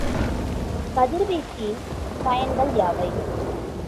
கதிர்வீச்சின் பயன்கள் யாவை?